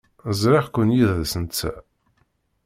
Ẓriɣ-ken yid-s netta.